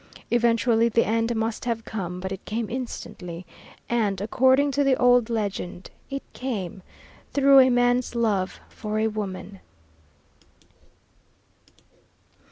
Eventually the end must have come, but it came instantly, and, according to the old legend, it came through a man's love for a woman.